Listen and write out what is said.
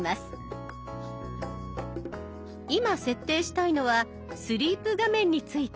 今設定したいのはスリープ画面について。